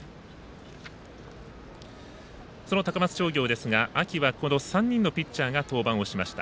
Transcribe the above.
その高松商業ですが秋は３人のピッチャーが登板をしました。